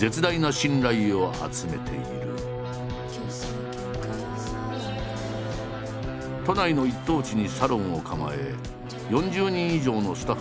都内の一等地にサロンを構え４０人以上のスタッフを束ねる松浦。